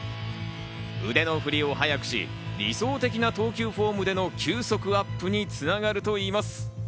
腕の振りを速くし、理想的な投球フォームでの球速アップに繋がるといいます。